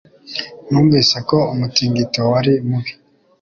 Numvise ko umutingito wari mubi